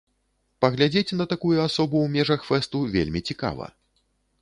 Паглядзець на такую асобу ў межах фэсту вельмі цікава.